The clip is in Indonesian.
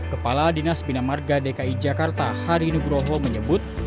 kepala dinas binamarga dki jakarta hari nugroho menyebut